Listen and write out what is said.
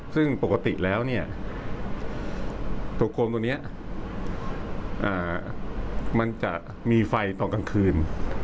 ซึ่งปกติแล้วเนี่ยตัวโคมตัวนี้มันจะมีไฟตอนกลางคืน